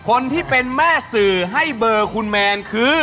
คนที่เป็นแม่สื่อให้เบอร์คุณแมนคือ